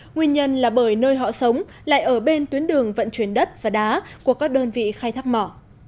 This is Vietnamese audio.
nguyên nhân là bởi nơi họ sống lại ở bên tuyến đường vận chuyển đất và đá của các đơn vị khai thác mỏ